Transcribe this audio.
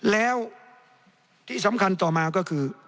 แล้วที่สำคัญต่อมาก็คือ